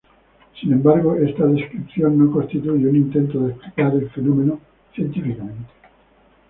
Sin embargo, esta descripción no constituye un intento de explicar el fenómeno científicamente.